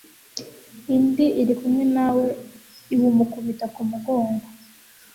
indi iri kumwe nawe iwumukubita ku umugongo